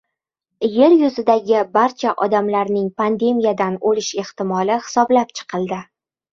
Er yuzidagi barcha odamlarning pandemiyadan o‘lish ehtimoli hisoblab chiqildi